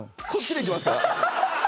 こっちでいきますから。